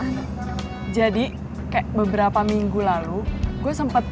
namanya eyang gledek